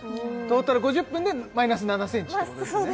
トータル５０分でマイナス７センチということですね